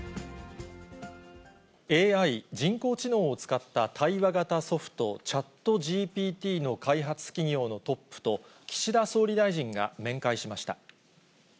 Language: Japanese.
ＡＩ・人工知能を使った対話型ソフト、ＣｈａｔＧＰＴの開発企業のトップと岸田総理大臣が面会しました。